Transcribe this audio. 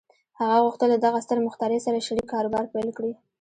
هغه غوښتل له دغه ستر مخترع سره شريک کاروبار پيل کړي.